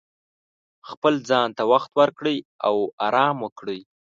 خپل ځان ته وخت ورکړئ او ارام وکړئ.